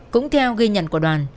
cũng theo ghi nhận của đoàn